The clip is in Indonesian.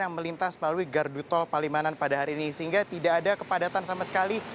yang melintas melalui gardu tol palimanan pada hari ini sehingga tidak ada kepadatan sama sekali